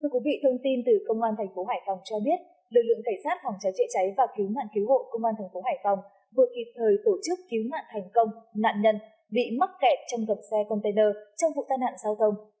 thưa quý vị thông tin từ công an thành phố hải phòng cho biết lực lượng cảnh sát phòng cháy chữa cháy và cứu nạn cứu hộ công an thành phố hải phòng vừa kịp thời tổ chức cứu nạn thành công nạn nhân bị mắc kẹt trong gặp xe container trong vụ tai nạn giao thông